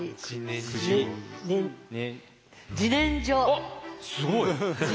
あっすごい！